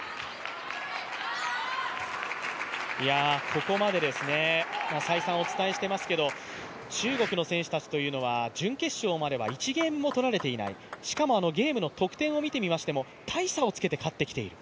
ここまで、再三お伝えしていますけど、中国の選手たちというのは準決勝までは１ゲームも取られていない、しかもゲームの得点を見てみましても大差をつけて勝ってきている。